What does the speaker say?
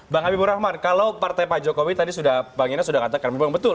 bang habibur rahman kalau partai pak jokowi tadi sudah bang ines sudah katakan memang betul